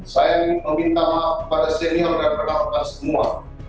saya ingin meminta maaf kepada senior dan rekan rekan semua